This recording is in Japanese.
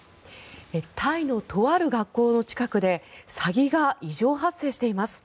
タイのとある学校の近くでサギが異常発生しています。